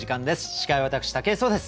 司会は私武井壮です。